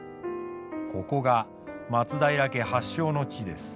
ここが松平家発祥の地です。